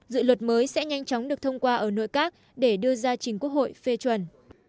dự luật mới sẽ nhanh chóng được thông qua ở nội các để đưa ra chính quốc hội phê chuẩn